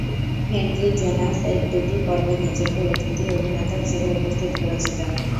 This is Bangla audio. হেনরি, "জোনাস" এর দুটি পর্বে নিজেকে অতিথি-অভিনেতা হিসেবে উপস্থিত করেছিলেন।